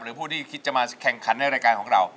ผู้ที่คิดจะมาแข่งขันในรายการของเรา